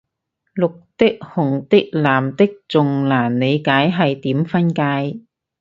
綠的紅的藍的仲難理解係點分界